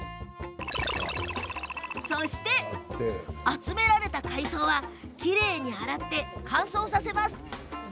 集められた海藻はきれいに洗って乾燥させます。